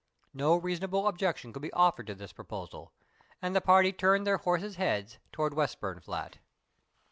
No reasonable objection could be offered to this proposal, and the party turned their horses' heads towards Westburnflat.